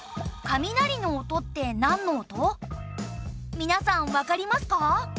皆さんわかりますか？